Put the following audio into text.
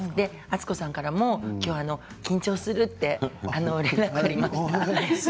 敦子さんからもきょう緊張するって連絡ありました。